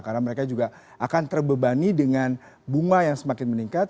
karena mereka juga akan terbebani dengan bunga yang semakin meningkat